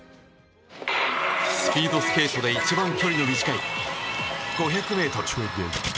スピードスケートで一番距離の短い５００ｍ。